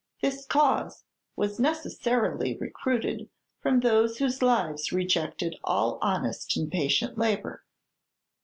This cause was necessarily recruited from those whose lives rejected all honest and patient labor.